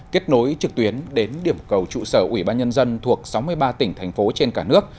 kết nối trực tuyến đến điểm cầu trụ sở ủy ban nhân dân thuộc sáu mươi ba tỉnh thành phố trên cả nước